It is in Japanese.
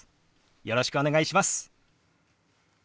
よろしくお願いします。